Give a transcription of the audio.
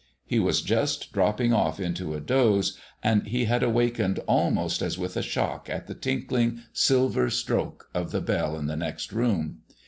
He was just dropping off into a doze, and he had awakened almost as with a shock at the tinkling, silver stroke of the bell in the next room.